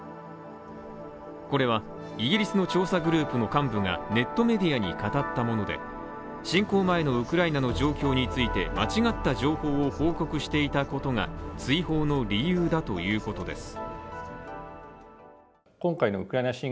これはイギリスの調査グループの幹部がネットメディアに語ったもので侵攻前のウクライナの状況について間違った情報を報告していたことが追放の理由だということです。